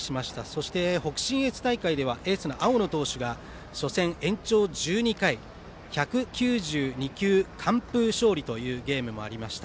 そして、北信越大会ではエースの青野投手が初戦、延長１２回１９２球、完封勝利というゲームもありました。